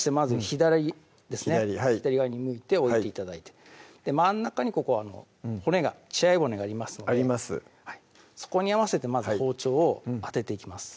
左側に向いて置いて頂いて真ん中にここは骨が血合い骨がありますのでそこに合わせてまず包丁を当てていきます